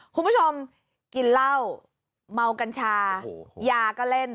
คุณผู้ชมกินเหล้าเมากัญชายาก็เล่น